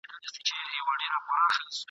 ته دښمنه یې د خپلو چي تنها یې !.